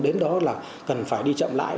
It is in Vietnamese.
đến đó là cần phải đi chậm lại